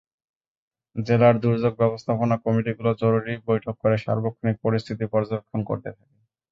জেলার দুর্যোগ ব্যবস্থাপনা কমিটিগুলো জরুরি বৈঠক করে সার্বক্ষণিক পরিস্থিতি পর্যবেক্ষণ করতে থাকে।